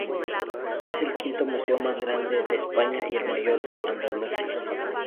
Es el quinto museo más grande de España y el mayor de Andalucía.